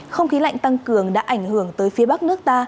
không khí lạnh tăng cường đã ảnh hưởng tới phía bắc nước ta